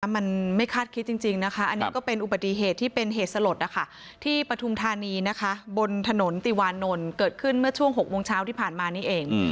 มันไม่คาดคิดจริงนะคะอันนี้ก็เป็นอุบัติเหตุที่เป็นเหตุสลดที่ปฐุมธานีนะคะบนถนนติวานนท์เกิดขึ้นเมื่อช่วง๖โมงเช้าที่ผ่านมานี่เอง